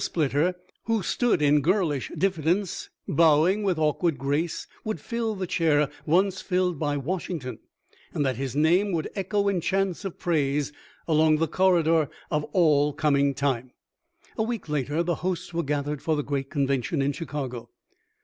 461 rail splitter who stood in girlish diffidence bow ing with awkward grace would fill the chair once filled by Washington, and that his name would echo in chants of praise along the corridor of all coming time. " A week later the hosts were gathered for the great convention in Chicago.